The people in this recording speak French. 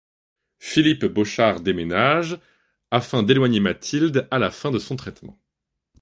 Philippe Bauchard déménage afin d'éloigner Mathilde à la fin de son traitement.